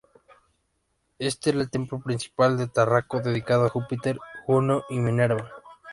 Este era el templo principal de Tarraco, dedicado a Júpiter, Juno y Minerva.